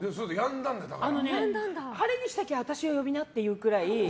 晴れにしたけりゃ私を呼びなっていうぐらい。